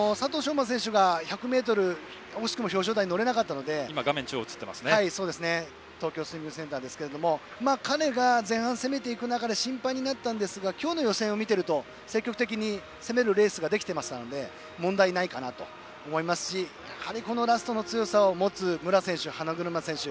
馬選手が１００ｍ惜しくも表彰台に乗れなかったので彼が前半攻めていく中で心配になったんですが今日の予選を見ていると積極的に攻めるレースができていましたので問題ないかなと思いますしラストの強さを持つ武良選手、花車選手。